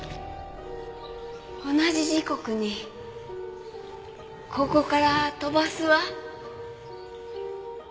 同じ時刻にここから飛ばすわ。